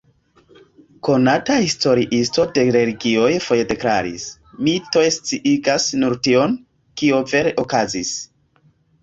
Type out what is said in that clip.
Konata historiisto de religioj foje deklaris: "Mitoj sciigas nur tion, kio vere okazis.